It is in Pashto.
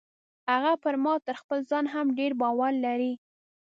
هغه پر ما تر خپل ځان هم ډیر باور لري.